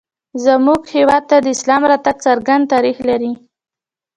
زموږ هېواد ته د اسلام راتګ څرګند تاریخ لري